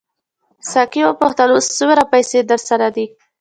ساقي وپوښتل اوس څومره پیسې درسره دي.